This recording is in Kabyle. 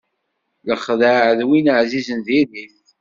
Lexdeɛ d win ɛzizen diri-t.